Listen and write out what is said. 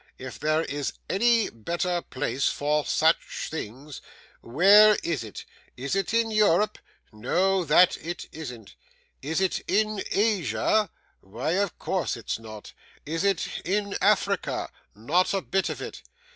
If there is any better place for such things, where is it? Is it in Europe? No, that it isn't. Is it in Asia? Why, of course it's not. Is it in Africa? Not a bit of it.